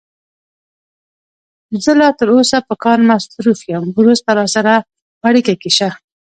زه لا تر اوسه په کار مصروف یم، وروسته راسره په اړیکه کې شه.